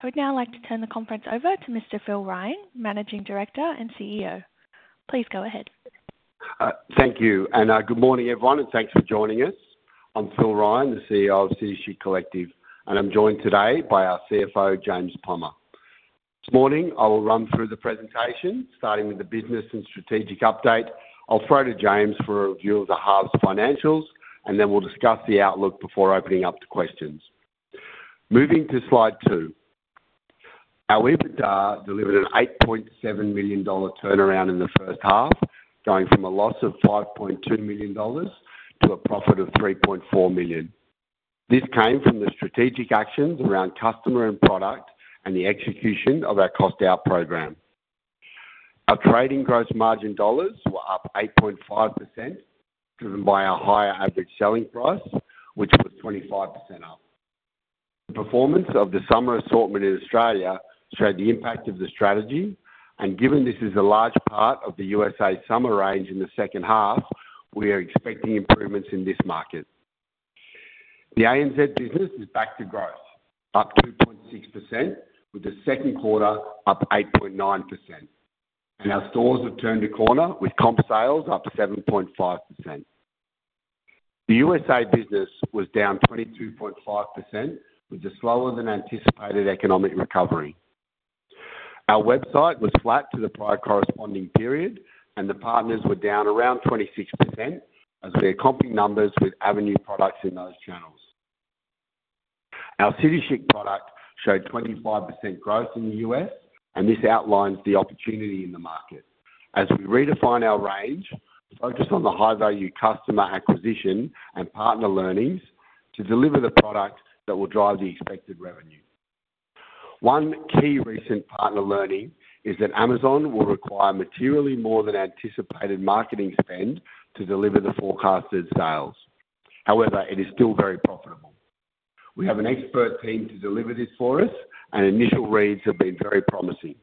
I would now like to turn the conference over to Mr. Phil Ryan, Managing Director and CEO. Please go ahead. Thank you. Good morning, everyone, and thanks for joining us. I'm Phil Ryan, the CEO of City Chic Collective, and I'm joined today by our CFO, James Plummer. This morning, I will run through the presentation, starting with the business and strategic update. I'll throw to James for a review of the half-year financials, and then we'll discuss the outlook before opening up to questions. Moving to slide two, our EBITDA delivered an 8.7 million dollar turnaround in the first half, going from a loss of 5.2 million dollars to a profit of 3.4 million. This came from the strategic actions around customer and product and the execution of our cost-out program. Our trading growth margin dollars were up 8.5%, driven by our higher average selling price, which was 25% up. The performance of the summer assortment in Australia showed the impact of the strategy, and given this is a large part of the U.S.A. summer range in the second half, we are expecting improvements in this market. The ANZ business is back to gross, up 2.6%, with the second quarter up 8.9%. Our stores have turned a corner, with comp sales up 7.5%. The U.S.A. business was down 22.5%, with a slower-than-anticipated economic recovery. Our website was flat to the prior corresponding period, and the partners were down around 26% as we are comping numbers with Avenue products in those channels. Our City Chic product showed 25% growth in the U.S., and this outlines the opportunity in the market. As we redefine our range, focus on the high-value customer acquisition and partner learnings to deliver the product that will drive the expected revenue. One key recent partner learning is that Amazon will require materially more than anticipated marketing spend to deliver the forecasted sales. However, it is still very profitable. We have an expert team to deliver this for us, and initial reads have been very promising.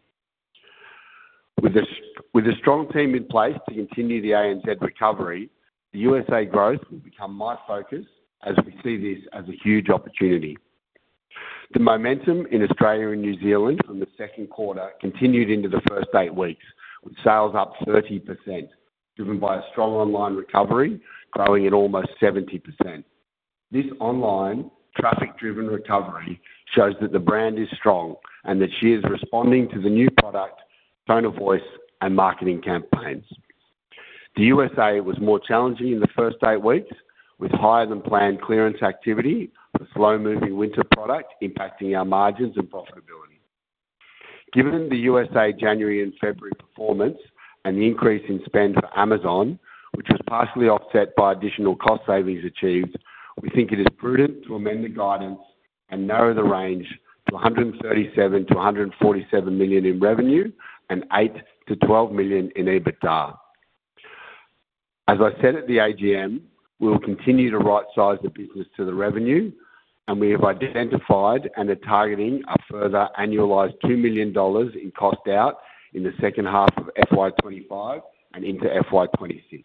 With a strong team in place to continue the ANZ recovery, the U.S.A. growth will become my focus as we see this as a huge opportunity. The momentum in Australia and New Zealand from the second quarter continued into the first eight weeks, with sales up 30%, driven by a strong online recovery growing at almost 70%. This online traffic-driven recovery shows that the brand is strong and that she is responding to the new product, tone of voice, and marketing campaigns. The U.S.A. was more challenging in the first eight weeks, with higher-than-planned clearance activity, the slow-moving winter product impacting our margins and profitability. Given the U.S.A. January and February performance and the increase in spend for Amazon, which was partially offset by additional cost savings achieved, we think it is prudent to amend the guidance and narrow the range to 137 million-147 million in revenue and 8 million-12 million in EBITDA. As I said at the AGM, we will continue to right-size the business to the revenue, and we have identified and are targeting a further annualized 2 million dollars in cost-out in the second half of FY 2025 and into FY 2026.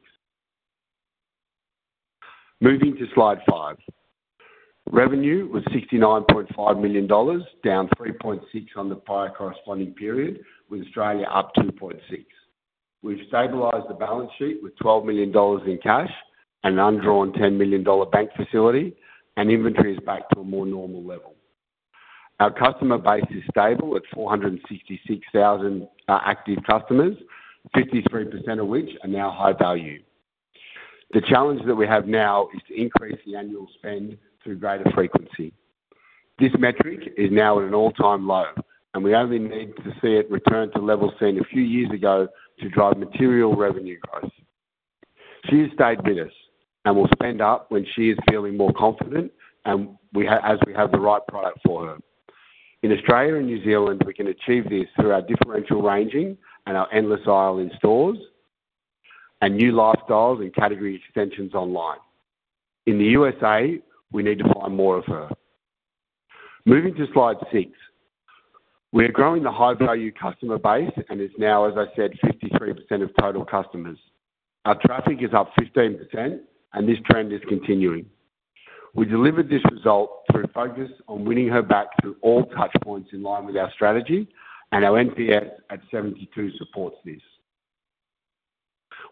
Moving to slide five, revenue was 69.5 million dollars, down 3.6% on the prior corresponding period, with Australia up 2.6%. We have stabilized the balance sheet with 12 million dollars in cash and an undrawn 10 million dollar bank facility, and inventory is back to a more normal level. Our customer base is stable at 466,000 active customers, 53% of which are now high value. The challenge that we have now is to increase the annual spend through greater frequency. This metric is now at an all-time low, and we only need to see it return to levels seen a few years ago to drive material revenue growth. She has stayed with us and will spend up when she is feeling more confident as we have the right product for her. In Australia and New Zealand, we can achieve this through our differential ranging and our endless aisle in stores and new lifestyles and category extensions online. In the U.S.A., we need to find more of her. Moving to slide six, we are growing the high-value customer base and is now, as I said, 53% of total customers. Our traffic is up 15%, and this trend is continuing. We delivered this result through focus on winning her back through all touch points in line with our strategy, and our NPS at 72 supports this.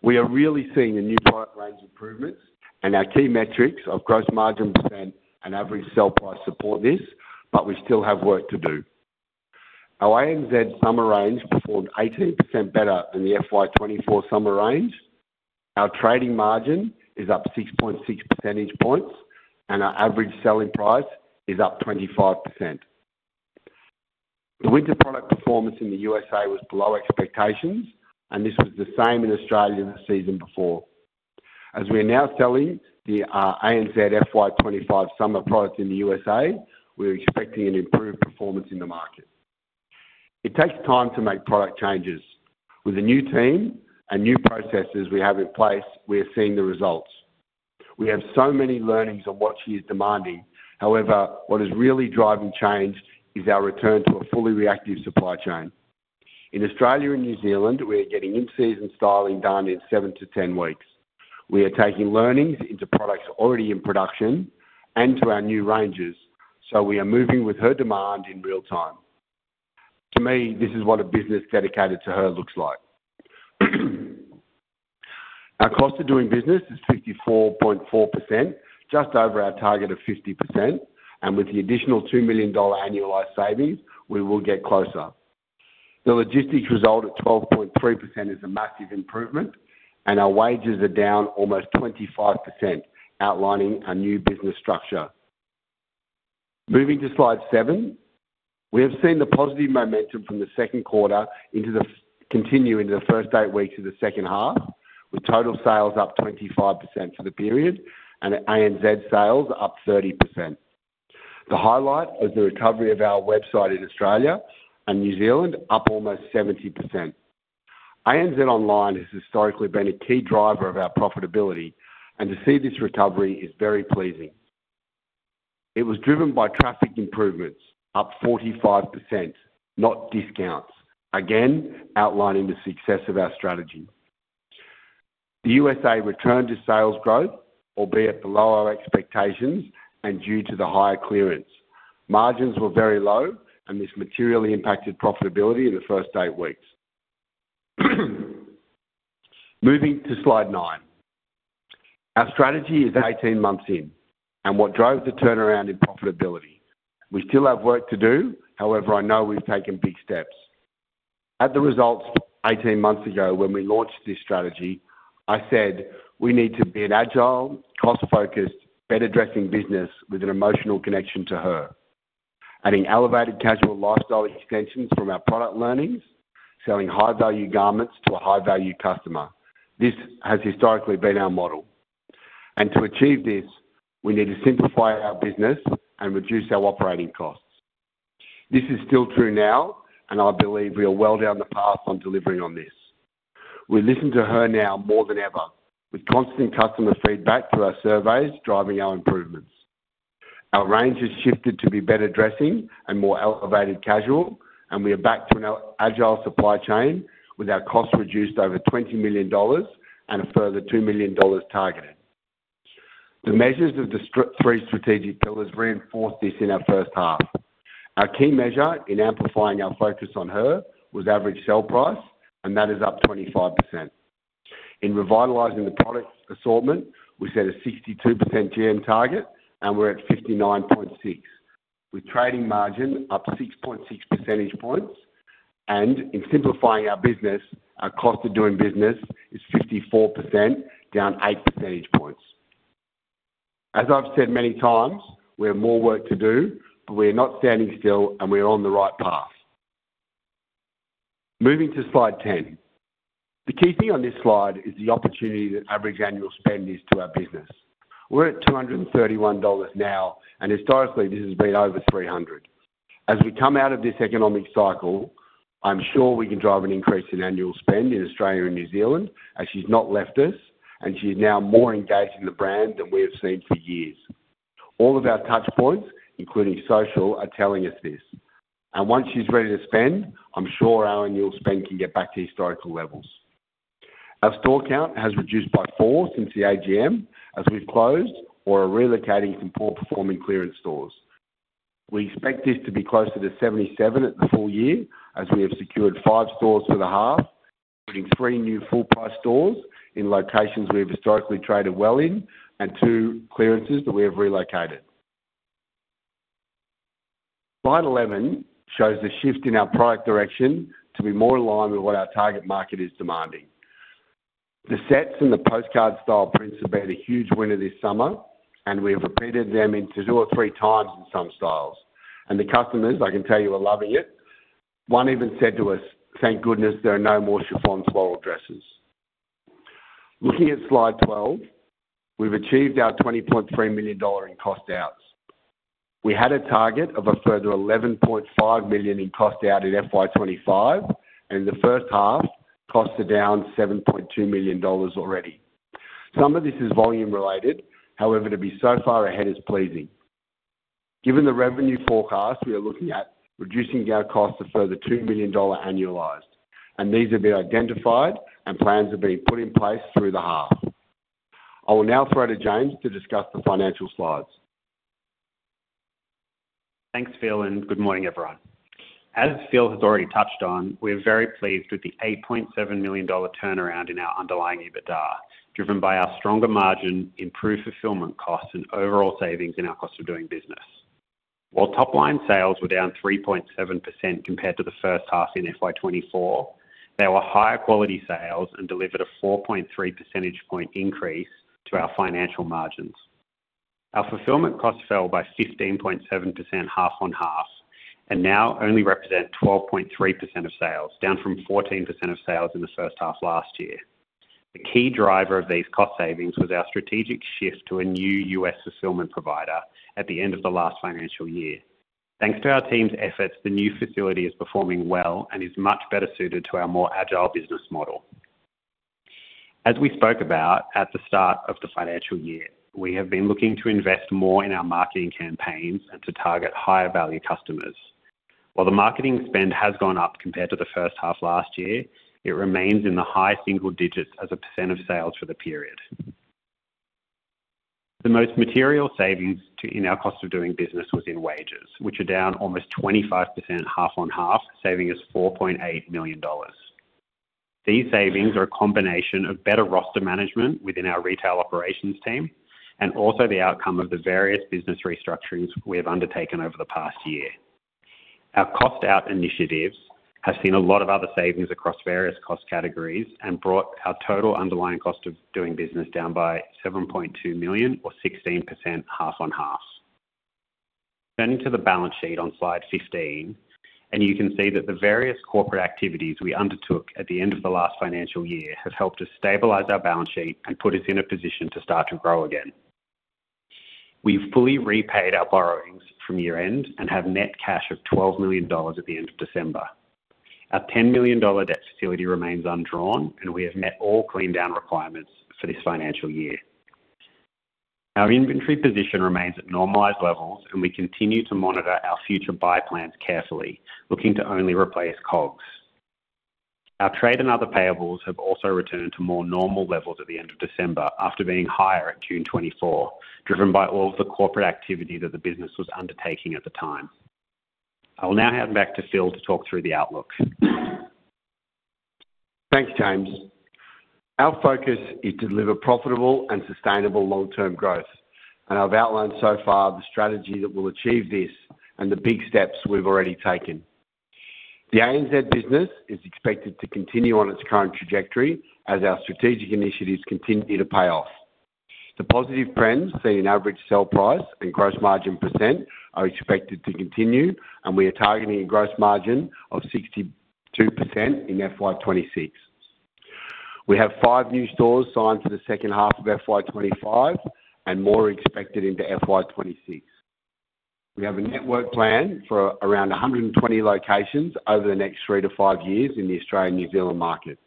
We are really seeing a new product range improvements, and our key metrics of gross margin percent and average sell price support this, but we still have work to do. Our ANZ summer range performed 18% better than the FY 2024 summer range. Our trading margin is up 6.6 percentage points, and our average selling price is up 25%. The winter product performance in the U.S.A. was below expectations, and this was the same in Australia the season before. As we are now selling the ANZ FY2025 summer product in the U.S.A., we are expecting an improved performance in the market. It takes time to make product changes. With a new team and new processes we have in place, we are seeing the results. We have so many learnings on what she is demanding. However, what is really driving change is our return to a fully reactive supply chain. In Australia and New Zealand, we are getting in-season styling done in 7-10 weeks. We are taking learnings into products already in production and to our new ranges, so we are moving with her demand in real time. To me, this is what a business dedicated to her looks like. Our cost of doing business is 54.4%, just over our target of 50%, and with the additional 2 million dollar annualized savings, we will get closer. The logistics result at 12.3% is a massive improvement, and our wages are down almost 25%, outlining a new business structure. Moving to slide seven, we have seen the positive momentum from the second quarter continue into the first eight weeks of the second half, with total sales up 25% for the period and ANZ sales up 30%. The highlight is the recovery of our website in Australia and New Zealand, up almost 70%. ANZ Online has historically been a key driver of our profitability, and to see this recovery is very pleasing. It was driven by traffic improvements, up 45%, not discounts, again outlining the success of our strategy. The U.S.A. returned to sales growth, albeit below our expectations and due to the higher clearance. Margins were very low, and this materially impacted profitability in the first eight weeks. Moving to slide nine, our strategy is 18 months in, and what drove the turnaround in profitability? We still have work to do; however, I know we've taken big steps. At the results 18 months ago, when we launched this strategy, I said we need to be an agile, cost-focused, better-dressing business with an emotional connection to her, adding elevated casual lifestyle extensions from our product learnings, selling high-value garments to a high-value customer. This has historically been our model. To achieve this, we need to simplify our business and reduce our operating costs. This is still true now, and I believe we are well down the path on delivering on this. We listen to her now more than ever, with constant customer feedback through our surveys driving our improvements. Our range has shifted to be better-dressing and more elevated casual, and we are back to an agile supply chain with our cost reduced over 20 million dollars and a further 2 million dollars targeted. The measures of the three strategic pillars reinforced this in our first half. Our key measure in amplifying our focus on her was average sell price, and that is up 25%. In revitalizing the product assortment, we set a 62% GM target, and we're at 59.6%, with trading margin up 6.6 percentage points. In simplifying our business, our cost of doing business is 54%, down 8 percentage points. As I've said many times, we have more work to do, but we are not standing still, and we are on the right path. Moving to slide 10, the key thing on this slide is the opportunity that average annual spend is to our business. We're at 231 dollars now, and historically, this has been over 300. As we come out of this economic cycle, I'm sure we can drive an increase in annual spend in Australia and New Zealand, as she's not left us, and she's now more engaged in the brand than we have seen for years. All of our touch points, including social, are telling us this. Once she's ready to spend, I'm sure our annual spend can get back to historical levels. Our store count has reduced by four since the AGM, as we've closed or are relocating from poor-performing clearance stores. We expect this to be closer to 77 at the full year, as we have secured five stores for the half, including three new full-price stores in locations we have historically traded well in and two clearances that we have relocated. Slide 11 shows the shift in our product direction to be more aligned with what our target market is demanding. The sets and the postcard-style prints have been a huge winner this summer, and we have repeated them two or three times in some styles. The customers, I can tell you, are loving it. One even said to us, "Thank goodness there are no more chiffon floral dresses." Looking at slide 12, we've achieved our 20.3 million dollar in cost-outs. We had a target of a further 11.5 million in cost-out in FY 2025, and the first half costs are down 7.2 million dollars already. Some of this is volume-related; however, to be so far ahead is pleasing. Given the revenue forecast, we are looking at reducing our costs a further 2 million dollar annualized, and these have been identified, and plans are being put in place through the half. I will now throw to James to discuss the financial slides. Thanks, Phil, and good morning, everyone. As Phil has already touched on, we are very pleased with the 8.7 million dollar turnaround in our underlying EBITDA, driven by our stronger margin, improved fulfillment costs, and overall savings in our cost of doing business. While top-line sales were down 3.7% compared to the first half in FY 2024, there were higher quality sales and delivered a 4.3 percentage point increase to our financial margins. Our fulfillment costs fell by 15.7% half-on-half and now only represent 12.3% of sales, down from 14% of sales in the first half last year. The key driver of these cost savings was our strategic shift to a new U.S. fulfillment provider at the end of the last financial year. Thanks to our team's efforts, the new facility is performing well and is much better suited to our more agile business model. As we spoke about at the start of the financial year, we have been looking to invest more in our marketing campaigns and to target higher-value customers. While the marketing spend has gone up compared to the first half last year, it remains in the high single digits as a % of sales for the period. The most material savings in our cost of doing business was in wages, which are down almost 25% half-on-half, saving us 4.8 million dollars. These savings are a combination of better roster management within our retail operations team and also the outcome of the various business restructurings we have undertaken over the past year. Our cost-out initiatives have seen a lot of other savings across various cost categories and brought our total underlying cost of doing business down by 7.2 million or 16% half-on-half. Turning to the balance sheet on slide 15, you can see that the various corporate activities we undertook at the end of the last financial year have helped us stabilize our balance sheet and put us in a position to start to grow again. We've fully repaid our borrowings from year-end and have net cash of 12 million dollars at the end of December. Our 10 million dollar debt facility remains undrawn, and we have met all clean-down requirements for this financial year. Our inventory position remains at normalized levels, and we continue to monitor our future buy plans carefully, looking to only replace COGS. Our trade and other payables have also returned to more normal levels at the end of December after being higher at June 2024, driven by all of the corporate activity that the business was undertaking at the time. I will now hand back to Phil to talk through the outlook. Thanks, James. Our focus is to deliver profitable and sustainable long-term growth, and I've outlined so far the strategy that will achieve this and the big steps we've already taken. The ANZ business is expected to continue on its current trajectory as our strategic initiatives continue to pay off. The positive trends seen in average sell price and gross margin percent are expected to continue, and we are targeting a gross margin of 62% in FY 2026. We have five new stores signed for the second half of FY 2025 and more expected into FY 2026. We have a network plan for around 120 locations over the next three to five years in the Australia-New Zealand market.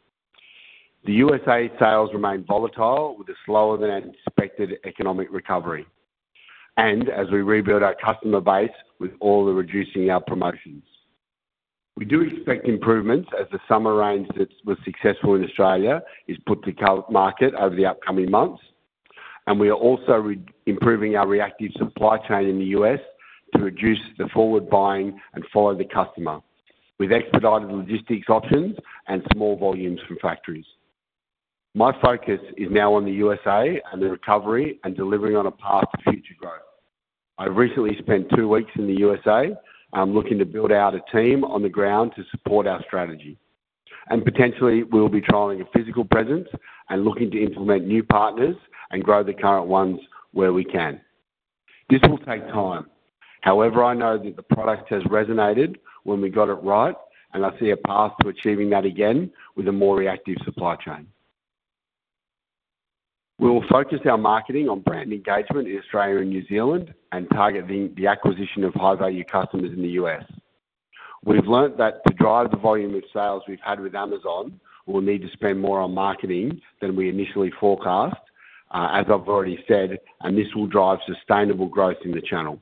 The U.S.A. sales remain volatile with a slower-than-expected economic recovery and as we rebuild our customer base with all the reducing our promotions. We do expect improvements as the summer range that was successful in Australia is put to market over the upcoming months, and we are also improving our reactive supply chain in the U.S. to reduce the forward buying and follow the customer with expedited logistics options and small volumes from factories. My focus is now on the U.S.A. and the recovery and delivering on a path to future growth. I've recently spent two weeks in the U.S.A., and I'm looking to build out a team on the ground to support our strategy. Potentially, we'll be trialing a physical presence and looking to implement new partners and grow the current ones where we can. This will take time. However, I know that the product has resonated when we got it right, and I see a path to achieving that again with a more reactive supply chain. We will focus our marketing on brand engagement in Australia and New Zealand and target the acquisition of high-value customers in the U.S. We've learned that to drive the volume of sales we've had with Amazon, we'll need to spend more on marketing than we initially forecast, as I've already said, and this will drive sustainable growth in the channel.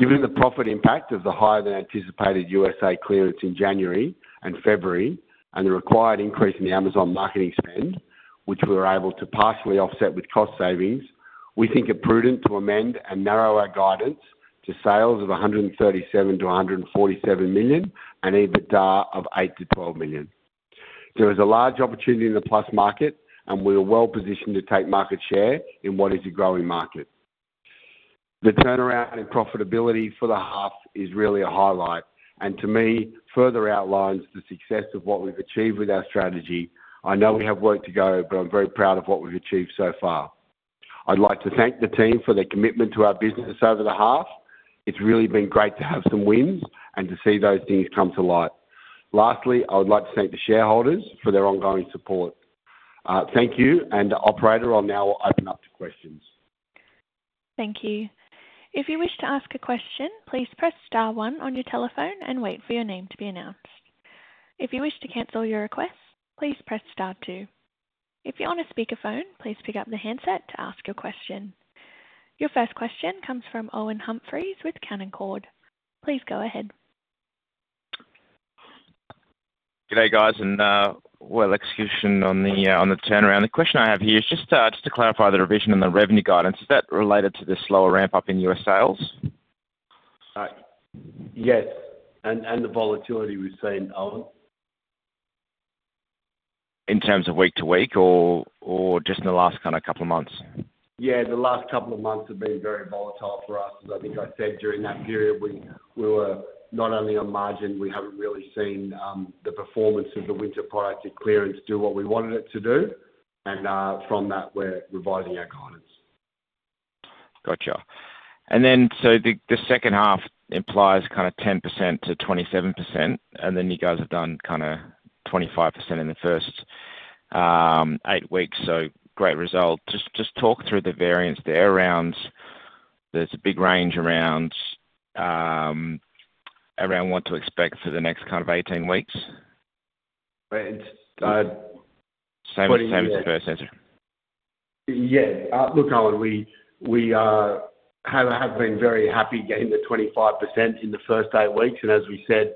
Given the profit impact of the higher-than-anticipated U.S.A. clearance in January and February and the required increase in the Amazon marketing spend, which we were able to partially offset with cost savings, we think it prudent to amend and narrow our guidance to sales of 137 million-147 million and EBITDA of 8 million-12 million. There is a large opportunity in the plus market, and we are well positioned to take market share in what is a growing market. The turnaround in profitability for the half is really a highlight, and to me, further outlines the success of what we've achieved with our strategy. I know we have work to go, but I'm very proud of what we've achieved so far. I'd like to thank the team for their commitment to our business over the half. It's really been great to have some wins and to see those things come to light. Lastly, I would like to thank the shareholders for their ongoing support. Thank you, and the operator will now open up to questions. Thank you. If you wish to ask a question, please press star one on your telephone and wait for your name to be announced. If you wish to cancel your request, please press star two. If you're on a speakerphone, please pick up the handset to ask your question. Your first question comes from Owen Humphries with Canaccord. Please go ahead. Good day, guys, and well execution on the turnaround. The question I have here is just to clarify the revision on the revenue guidance. Is that related to the slower ramp-up in U.S. sales? Yes, and the volatility we've seen, Owen. In terms of week to week or just in the last kind of couple of months? Yeah, the last couple of months have been very volatile for us. As I think I said, during that period, we were not only on margin; we haven't really seen the performance of the winter product at clearance do what we wanted it to do. From that, we're revising our guidance. Gotcha. The second half implies kind of 10%-27%, and you guys have done kind of 25% in the first eight weeks, so great result. Just talk through the variance there around there's a big range around what to expect for the next kind of 18 weeks. 70% is the first answer. Yes. Look, Owen, we have been very happy getting the 25% in the first eight weeks, and as we said,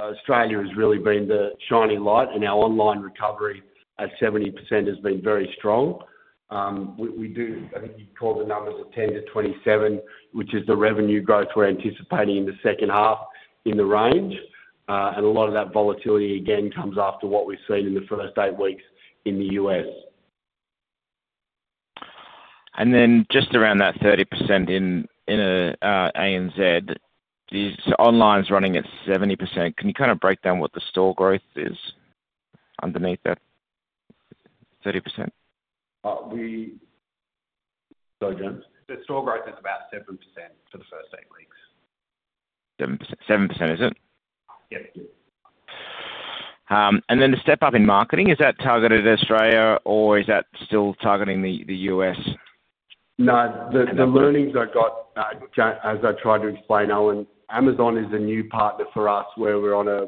Australia has really been the shining light, and our online recovery at 70% has been very strong. I think you'd call the numbers of 10%-27%, which is the revenue growth we're anticipating in the second half in the range. A lot of that volatility, again, comes after what we've seen in the first eight weeks in the U.S. Just around that 30% in ANZ, these online's running at 70% can you kind of break down what the store growth is underneath that 30%? Sorry, James. The store growth is about 7% for the first eight weeks. 7%, is it? Yes. The step-up in marketing, is that targeted to Australia, or is that still targeting the U.S.? No, the learnings I got, as I tried to explain, Owen, Amazon is a new partner for us where we're on a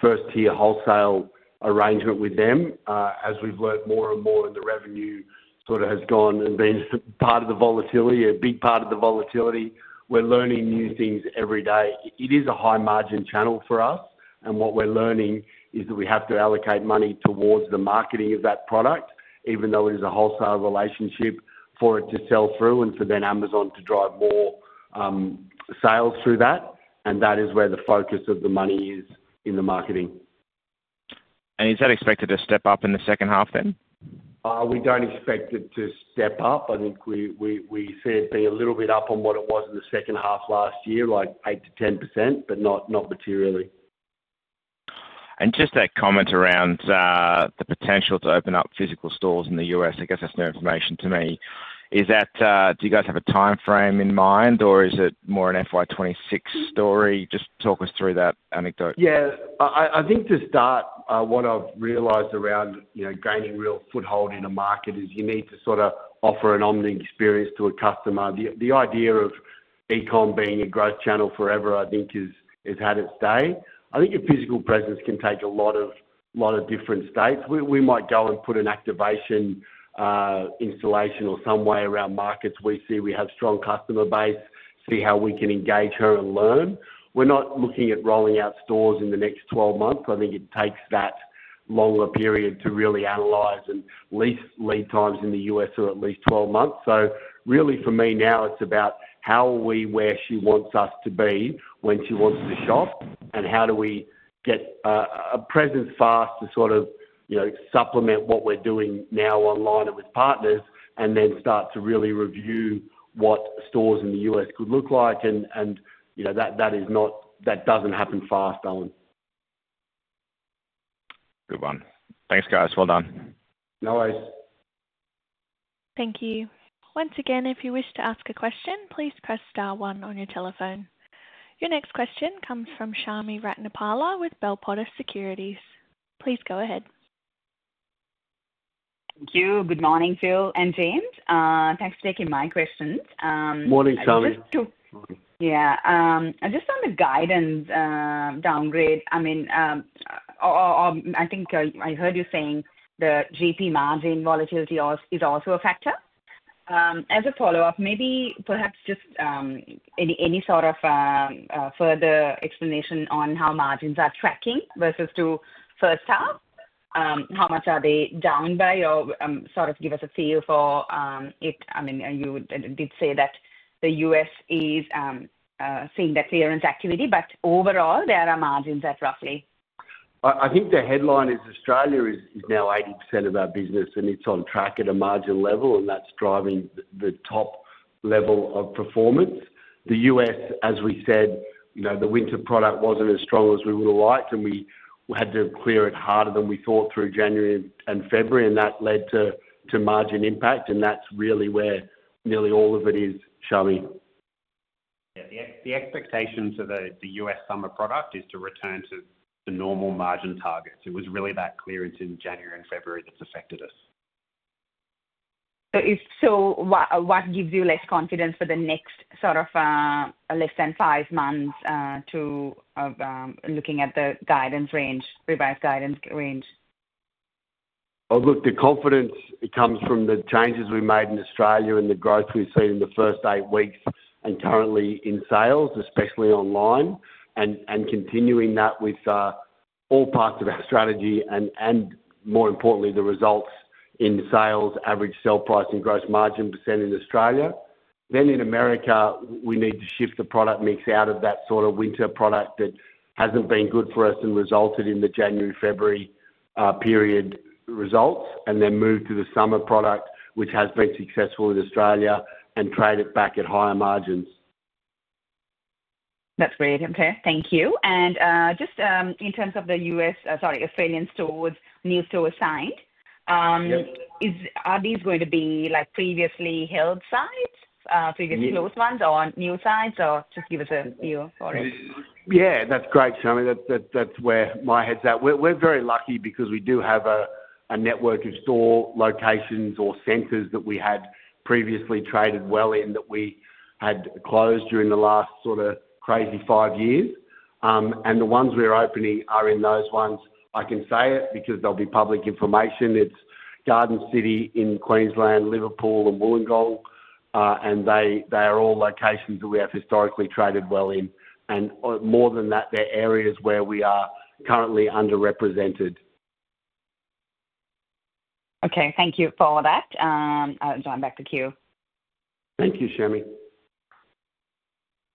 first-tier wholesale arrangement with them. As we've learned more and more and the revenue sort of has gone and been part of the volatility, a big part of the volatility, we're learning new things every day. It is a high-margin channel for us, and what we're learning is that we have to allocate money towards the marketing of that product, even though it is a wholesale relationship, for it to sell through and for then Amazon to drive more sales through that. That is where the focus of the money is in the marketing. Is that expected to step up in the second half then? We don't expect it to step up. I think we see it be a little bit up on what it was in the second half last year, like 8%-10%, but not materially. Just that comment around the potential to open up physical stores in the U.S., I guess that's new information to me. Do you guys have a timeframe in mind, or is it more an FY 2026 story? Just talk us through that anecdote. I think to start, what I've realized around gaining real foothold in a market is you need to sort of offer an omni experience to a customer. The idea of e-com being a growth channel forever, I think, has had its day. I think your physical presence can take a lot of different states. We might go and put an activation installation or some way around markets we see we have strong customer base, see how we can engage her and learn. We're not looking at rolling out stores in the next 12 months. I think it takes that longer period to really analyze and lease lead times in the U.S. are at least 12 months. Really, for me now, it's about how are we where she wants us to be when she wants to shop, and how do we get a presence fast to sort of supplement what we're doing now online and with partners, and then start to really review what stores in the U.S. could look like. That doesn't happen fast, Owen. Good one. Thanks, guys. Well done. No worries. Thank you. Once again, if you wish to ask a question, please press star one on your telephone. Your next question comes from Chami Ratnapala with Bell Potter Securities. Please go ahead. Thank you. Good morning, Phil and James. Thanks for taking my questions. Morning, Shami. Yeah. Just on the guidance downgrade, I mean, I think I heard you saying the GP margin volatility is also a factor. As a follow-up, maybe perhaps just any sort of further explanation on how margins are tracking versus to first half, how much are they down by, or sort of give us a feel for it. I mean, you did say that the U.S. is seeing that clearance activity, but overall, there are margins at roughly. I think the headline is Australia is now 80% of our business, and it's on track at a margin level, and that's driving the top level of performance. The U.S., as we said, the winter product wasn't as strong as we would have liked, and we had to clear it harder than we thought through January and February, and that led to margin impact, and that's really where nearly all of it is, Shami. Yeah, the expectations of the U.S. summer product is to return to the normal margin targets. It was really that clearance in January and February that's affected us. What gives you less confidence for the next sort of less than five months to looking at the revised guidance range? Look, the confidence comes from the changes we made in Australia and the growth we've seen in the first eight weeks and currently in sales, especially online, and continuing that with all parts of our strategy and, more importantly, the results in sales, average sale price and gross margin percent in Australia. In America, we need to shift the product mix out of that sort of winter product that hasn't been good for us and resulted in the January-February period results, and then move to the summer product, which has been successful in Australia, and trade it back at higher margins. That's very helpful. Thank you. Just in terms of the U.S., sorry, Australian new stores signed, are these going to be previously held sites, previously closed ones, or new sites, or just give us a view for it? Yeah, that's great, Shami. That's where my head's at. We're very lucky because we do have a network of store locations or centers that we had previously traded well in that we had closed during the last sort of crazy five years. The ones we're opening are in those ones. I can say it because there'll be public information. It's Garden City in Queensland, Liverpool, and Wollongong, and they are all locations that we have historically traded well in. More than that, they're areas where we are currently underrepresented. Okay, thank you for that. I'll join back the queue. Thank you, Shami.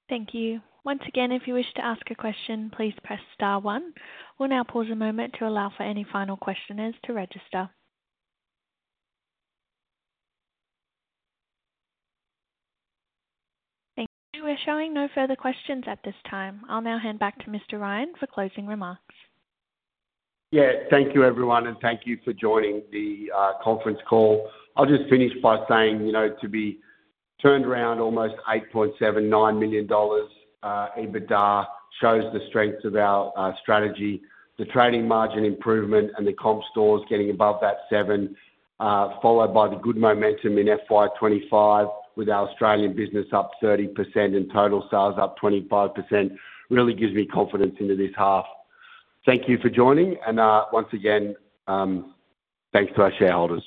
Thank you. Once again, if you wish to ask a question, please press star one. We'll now pause a moment to allow for any final questioners to register. Thank you. We're showing no further questions at this time. I'll now hand back to Mr. Ryan for closing remarks. Yeah, thank you, everyone, and thank you for joining the conference call. I'll just finish by saying to be turned around almost 8.79 million dollars, EBITDA shows the strength of our strategy, the trading margin improvement, and the comp stores getting above that 7 million, followed by the good momentum in FY 2025 with our Australian business up 30% and total sales up 25%. Really gives me confidence into this half. Thank you for joining, and once again, thanks to our shareholders.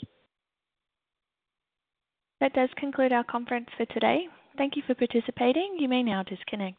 That does conclude our conference for today. Thank you for participating. You may now disconnect.